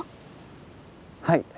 はい。